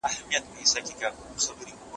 قرضونه وروسته ژوند تريخولای سي.